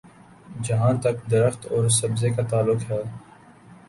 جہاں تک درخت اور سبزے کا تعلق ہے۔